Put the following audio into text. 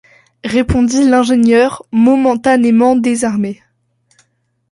répondit l’ingénieur, momentanément désarmé.